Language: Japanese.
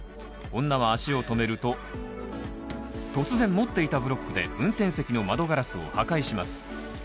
女は足を止めると突然、持っていたブロックで運転席の窓ガラスを破壊します。